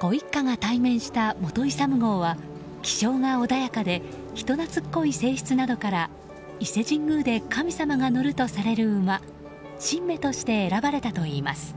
ご一家が対面した、本勇号は気性が穏やかで人懐っこい性質などから伊勢神宮で神様が乗るとされる馬神馬として選ばれたといいます。